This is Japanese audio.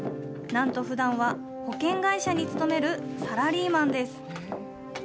なんとふだんは、保険会社に勤めるサラリーマンです。